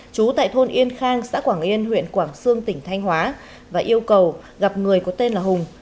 chú tại thôn yên khang xã quảng yên huyện quảng sương tỉnh thanh hóa và yêu cầu gặp người có tên là hùng